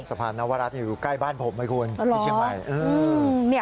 สะพานนวรัฐอยู่ใกล้บ้านผมไหมคุณที่เชียงใหม่